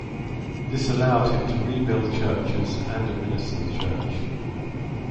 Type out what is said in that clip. This allowed him to rebuild churches and administer the church.